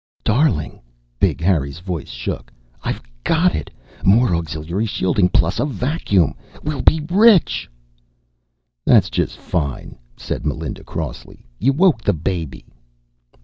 "Darling." Big Harry's voice shook. "I've got it! More auxiliary shielding plus a vacuum. We'll be rich!" "That's just fine," said Melinda crossly. "You woke the baby."